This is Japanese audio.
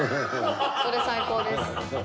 それ最高です。